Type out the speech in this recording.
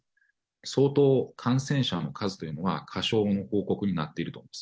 相当感染者の数というのは過少の報告になっていると思います。